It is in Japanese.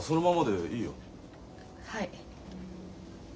はい。